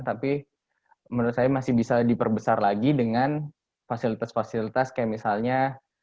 tapi menurut saya masih bisa diperbesar lagi dengan fasilitas fasilitas kayak misalnya